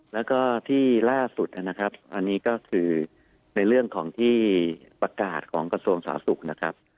แล้วก็ที่ล่าสุดนะครับอันนี้ก็คือในเรื่องของที่ประกาศของกระทรวงสาธารณสุขนะครับ